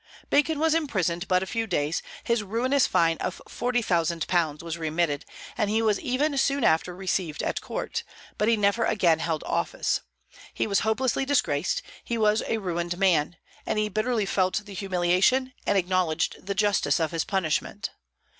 Bacon was imprisoned but a few days, his ruinous fine of £40,000 was remitted, and he was even soon after received at court; but he never again held office. He was hopelessly disgraced; he was a ruined man; and he bitterly felt the humiliation, and acknowledged the justice of his punishment.